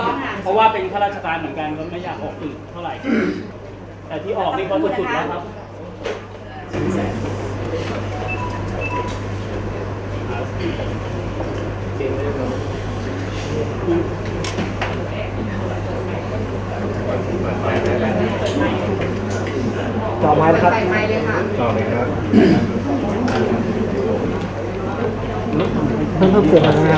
คุณบอกว่าเงินที่คุณได้มาเนี่ยคุณส่งไปซื้อสินค้าแล้วสินค้าจนได้อยู่ที่ไหนในว่าสมาชิกคุณไม่ได้เลย